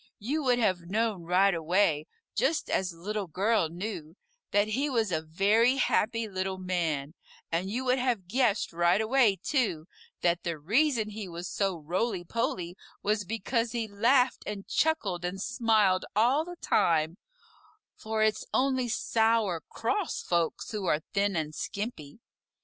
You would have known right away, just as Little Girl knew, that he was a very happy little man, and you would have guessed right away, too, that the reason he was so roly poly was because he laughed and chuckled and smiled all the time for it's only sour, cross folks who are thin and skimpy.